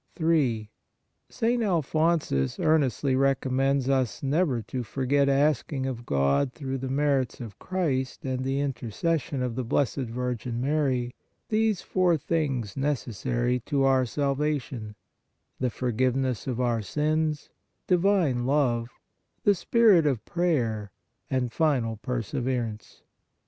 3. St. Alphonsus earnestly recommends us never to forget asking of God through the merits of Christ and the intercession of the Blessed Virgin Mary, these four things necessary to our salvation : the forgiveness of our sins, divine love, the spirit of prayer and final perseverance.